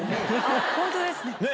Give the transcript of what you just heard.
本当ですね。